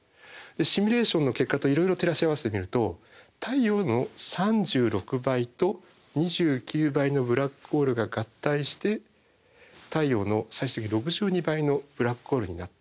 シミュレーションの結果といろいろ照らし合わせてみると太陽の３６倍と２９倍のブラックホールが合体して太陽の最終的に６２倍のブラックホールになったと。